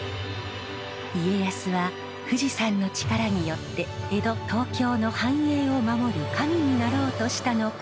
家康は富士山の力によって江戸東京の繁栄を守る神になろうとしたのかもしれません。